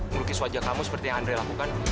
melukis wajah kamu seperti yang andre lakukan